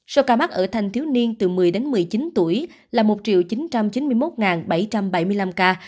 số ca mắc ở thanh thiếu niên từ một mươi đến một mươi chín tuổi là một chín trăm chín mươi một bảy trăm bảy mươi năm ca